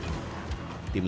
di ajang rally asia ini